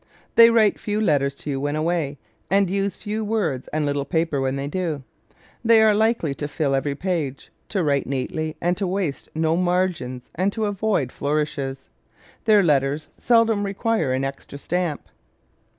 They write few letters to you when away, and use few words and little paper when they do. They are likely to fill every page, to write neatly, to waste no margins and to avoid flourishes. Their letters seldom require an extra stamp.